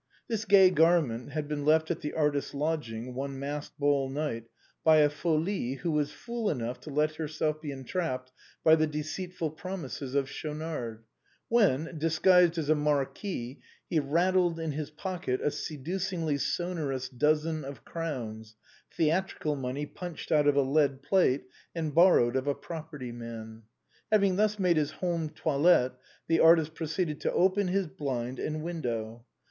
This gay garment had been left at the artist's lodging, one masked ball night, by a Folie, who was fool enough to let herself be entrapped by the deceitful promises of Schau 1 2 THE BOHEMIANS OF THE LATIN QUARTER. nard when, disguised as a marquis, he rattled in his pocket a seducingly sonorous dozen of crowns — theatrical money punched out of a lead plate and borrowed of a property man. Having thus made his home toilette, the artist proceeded to open his blind and window.